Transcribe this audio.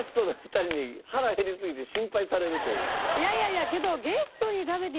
いやいやいやけど。